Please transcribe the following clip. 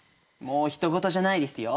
もうひと事じゃないですよ。